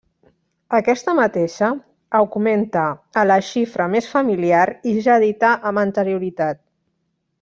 Aquesta mateixa augmenta a la xifra més familiar i ja dita amb anterioritat.